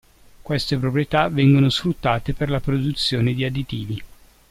Queste proprietà vengono sfruttate per la produzione di additivi.